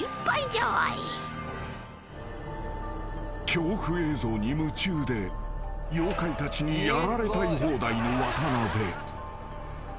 ［恐怖映像に夢中で妖怪たちにやられたい放題の渡邉］